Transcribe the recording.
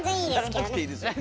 やらなくていいですよ。